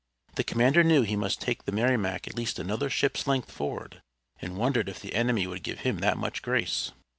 The commander knew he must take the Merrimac at least another ship's length forward, and wondered if the enemy would give him that much grace.